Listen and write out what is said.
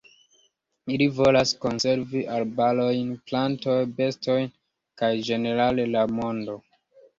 Ili volas konservi arbarojn, plantoj, bestojn kaj ĝenerale la mondo.